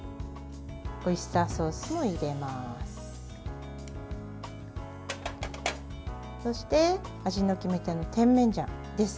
オイスターソースも入れます。